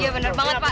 iya benar banget pak